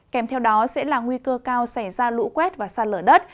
kèm theo đó sẽ là nguy cơ cao xảy ra lũ quét và sạt lở đất